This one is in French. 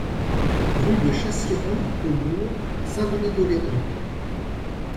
Rue de Chassiron Au Bourg, Saint-Denis-d'Oléron